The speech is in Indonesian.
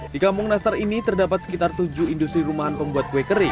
di kampung nasar ini terdapat sekitar tujuh industri rumahan pembuat kue kering